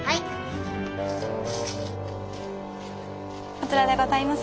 こちらでございます。